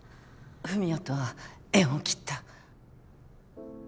文哉とは縁を切った。